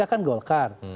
pak jk kan golkar